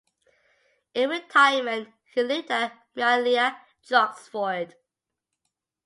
In retirement he lived at Meon Lea, Droxford.